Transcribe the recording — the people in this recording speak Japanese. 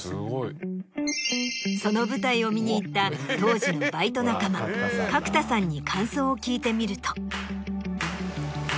その舞台を見に行った当時のバイト仲間角田さんに感想を聞いてみると。